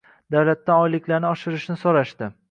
– davlatdan oyliklarni oshirishni so‘rashdi.